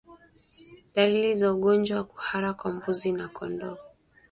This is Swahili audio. Dalili za ugonjwa wa kuhara kwa mbuzi na kondoo